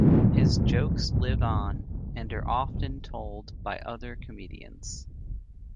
His jokes live on and are often told by other comedians.